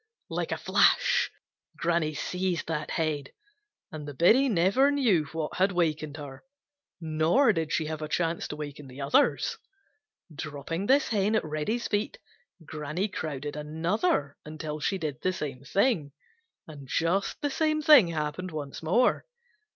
Like a flash Granny seized that head, and biddy never knew what had wakened her, nor did she have a chance to waken the others. Dropping this hen at Reddy's feet, Granny crowded another until she did the same thing, and just the same thing happened once more.